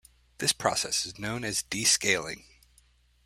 This process is known as descaling.